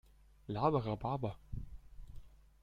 Laber Rhabarber!